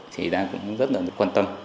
thì đang cũng rất là quan tâm